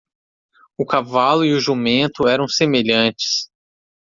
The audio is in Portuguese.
O cavalo e o jumento eram semelhantes.